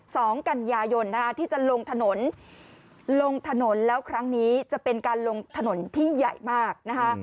สองกันยายนนะคะที่จะลงถนนลงถนนแล้วครั้งนี้จะเป็นการลงถนนที่ใหญ่มากนะคะ